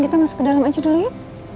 kita masuk ke dalam aceh dulu ya